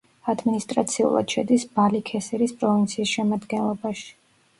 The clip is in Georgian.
ადმინისტრაციულად შედის ბალიქესირის პროვინციის შემადგენლობაში.